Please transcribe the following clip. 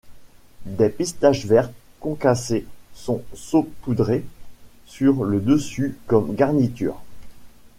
Des pistaches vertes concassées sont saupoudrées sur le dessus comme garniture.